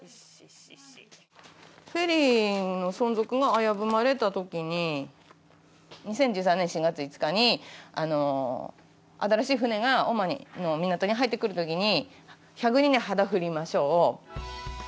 フェリーの存続が危ぶまれたときに２０１３年４月５日に新しい船が大間の港に入ってくるときに。